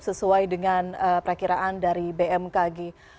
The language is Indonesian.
sesuai dengan perakiraan dari bmkg